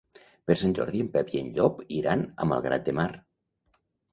Per Sant Jordi en Pep i en Llop iran a Malgrat de Mar.